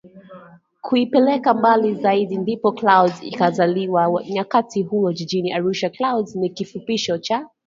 kuipeleka mbali Zaidi ndipo Clouds ikazaliwa nwakati huo Jijini Arusha Clouds ni kifupisho cha